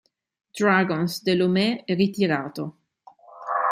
Dragons de l'Ouémé ritirato.